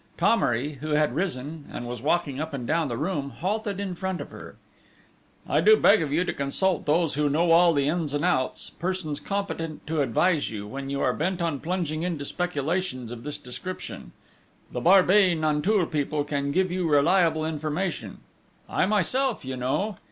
Thomery, who had risen, and was walking up and down the room, halted in front of her: "I do beg of you to consult those who know all the ins and outs, persons competent to advise you, when you are bent on plunging into speculations of this description! The Barbey Nanteuil people can give you reliable information; I myself, you know..."